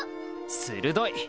鋭い！